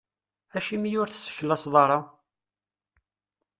Acimi ur tesseklaseḍ ara?